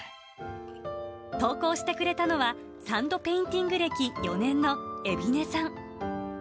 投稿してくれたのは、サンドペインティング歴４年の海老根さん。